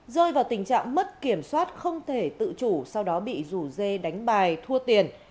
rơi vào tình trạng mất kiểm soát không thể tự chủ sau đó bị rủ dê đánh bài thua tiền